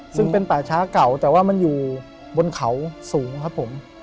ซึ่งเป็นป่าช้าเก่าแต่ว่ามันอยู่บนเขาสูงครับผม